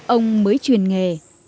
ông mới truyền nghề